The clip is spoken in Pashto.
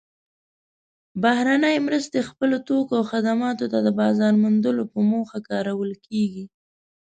بهرنۍ مرستې خپلو توکو او خدماتو ته د بازار موندلو په موخه کارول کیږي.